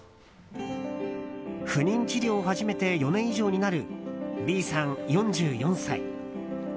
不妊治療を始めて４年以上になるＢさん、４４歳。